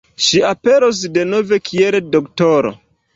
Ŝi aperos denove kiel D-ro.